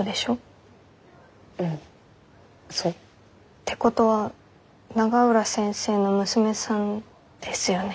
ってことは永浦先生の娘さんですよね？